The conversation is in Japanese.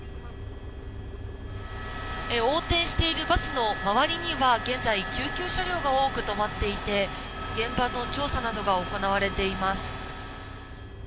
横転しているバスの周りには現在、救急車両が多く止まっていて現場の調査などが行われています。